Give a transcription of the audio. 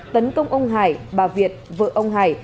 tấn công ông hải bà việt vợ ông hải